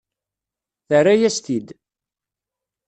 Terra-yas-t-id.